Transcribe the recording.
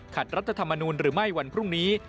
รัฐธรรมนูลหรือไม่วันพรุ่งนี้